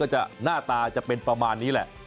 หน้าตาจะเป็นประมาณนี้แหละ